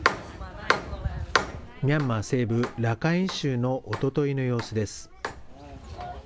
ミャンマー西部ラカイン州のおとといの様子です。